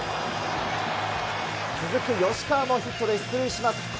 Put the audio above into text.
続く吉川もヒットで出塁します。